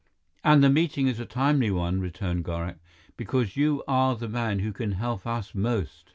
"And the meeting is a timely one," returned Gorak, "because you are the man who can help us most."